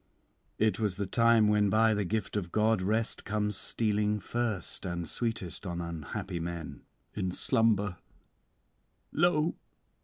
'It was the time when by the gift of God rest comes stealing first and sweetest on unhappy men. In slumber, lo!